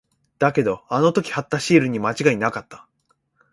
だけど、あの時貼ったシールに間違いなかった。